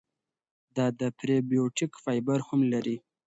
دا د پری بیوټیک فایبر هم لري.